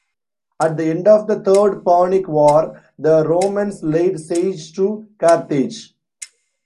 At the end of the Third Punic War, the Romans laid siege to Carthage.